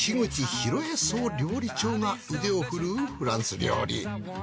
宏江総料理長が腕を振るうフランス料理。